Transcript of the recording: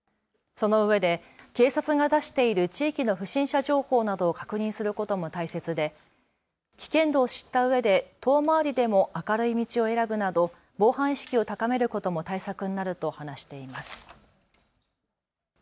そのうえで警察が出している地域の不審者情報などを確認することも大切で危険度を知ったうえで遠回りでも明るい道を選ぶなど防犯意識を高めることも対策になると話しています。